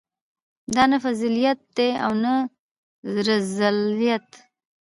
دا نه فضیلت دی او نه رذیلت.